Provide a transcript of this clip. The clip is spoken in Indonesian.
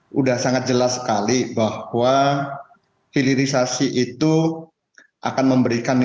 sudah sangat jelas sekali bahwa hilirisasi itu akan memberikan